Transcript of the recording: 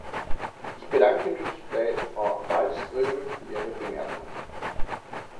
Ich bedanke mich bei Frau Wallström für ihre Bemerkungen.